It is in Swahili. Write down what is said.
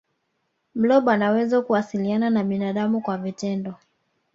blob anawezo kuwasiliana na binadamu kwa vitendo